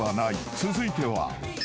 続いては］